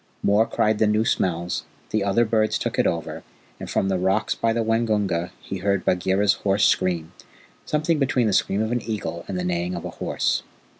Mor cried the new smells, the other birds took it over, and from the rocks by the Waingunga he heard Bagheera's hoarse scream something between the scream of an eagle and the neighing of a horse.